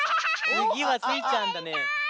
つぎはスイちゃんだね。